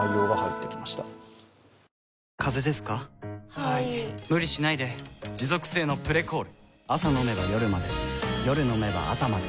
はい・・・無理しないで持続性の「プレコール」朝飲めば夜まで夜飲めば朝まで